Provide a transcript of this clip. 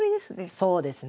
そうですね。